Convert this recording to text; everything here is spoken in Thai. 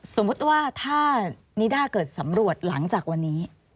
สมมุติว่าถ้านิด้าเกิดสำรวจหลังจากวันนี้